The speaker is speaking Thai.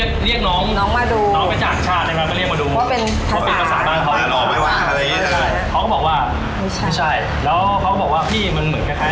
ผมก็ไม่ได้คิดแล้วตอนแรกก็เลยเรียกน้อง